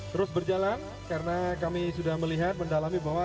terus berjalan karena kami sudah melihat mendalami bahwa